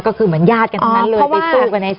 ก็คือเหมือนญาติกันทั้งนั้นเลยไปสู้กันใน